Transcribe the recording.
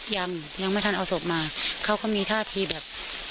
ยังยังไม่ทันเอาศพมาเขาก็มีท่าทีแบบ